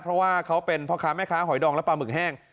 เพราะว่าเขาเป็นพ่อค้าแม่ค้าหอยดองและปลาหมึกแห้ง